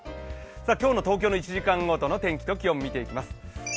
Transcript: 今日の東京の１時間ごとの天気と気温を見ていきます。